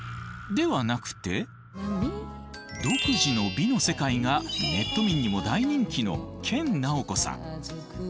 ではなくて独自の美の世界がネット民にも大人気の研ナオコさん。